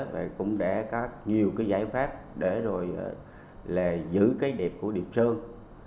và cũng để có nhiều cái giải pháp để rồi là giữ cái đẹp của điệp sơn